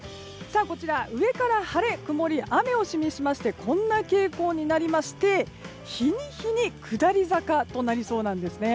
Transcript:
上から晴れ、曇り、雨を示しましてこんな傾向になりまして日に日に下り坂となりそうです。